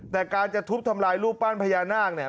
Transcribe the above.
แต่การจะทุบทำลายรูปปั้นพญานาคเนี่ย